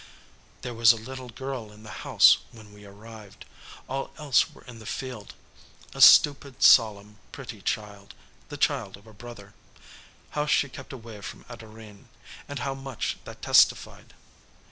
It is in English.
There was a little girl in the house when we arrived all else were in the field a stupid, solemn, pretty child, the child of a brother. How she kept away from Adorine, and how much that testified!